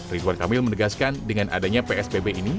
ridwan kamil menegaskan dengan adanya psbb ini